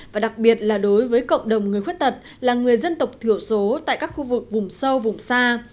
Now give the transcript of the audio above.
và đặc biệt là đối với cộng đồng người khuyết tật là người dân tộc thiểu số tại các khu vực vùng sâu vùng xa